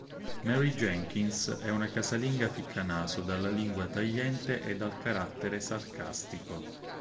Mary Jenkins è una casalinga ficcanaso, dalla lingua tagliente e dal carattere sarcastico.